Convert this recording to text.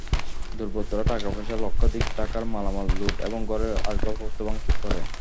দুর্বৃত্তরা টাকাপয়সা, লক্ষাধিক টাকার মালামাল লুট এবং ঘরের আসবাবপত্র ভাঙচুর করে।